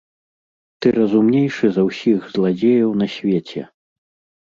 Ты разумнейшы за ўсіх зладзеяў на свеце!